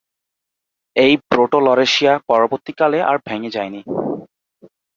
এই প্রোটো-লরেশিয়া পরবর্তীকালে আর ভেঙে যায়নি।